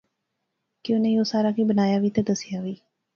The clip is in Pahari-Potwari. کہ انیں یو سارا کی بنایا وی تہ دسیا وی